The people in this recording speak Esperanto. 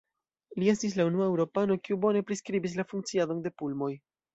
Li estis la unua eŭropano, kiu bone priskribis la funkciadon de pulmoj.